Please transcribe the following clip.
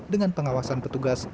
dengan pengawasan petugas